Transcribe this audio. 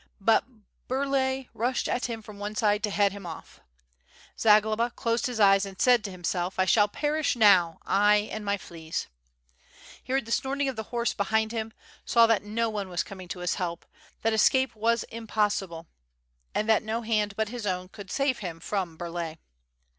But Bur lay rushed at him from one side to head him off. Zagloba closed his eyes and said to himself: "1 shall perish now, 1 and my fleas." He heard the snorting of the horse behind him, saw that no one was coming to his help, that escape was impossible, and that no hand but his own could save him from Burlay.